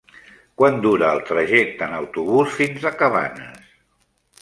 Quant dura el trajecte en autobús fins a Cabanes?